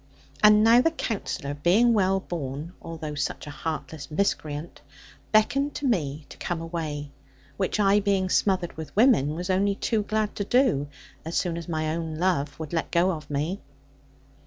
And now the Counsellor, being well born, although such a heartless miscreant, beckoned to me to come away; which I, being smothered with women, was only too glad to do, as soon as my own love would let go of me.